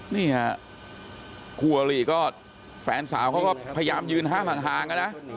นี่ฮะคู่อลี่ก็แฟนสาวเขาก็พยายามยืนห้ามห่างนะ